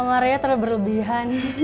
om arya terlalu berlebihan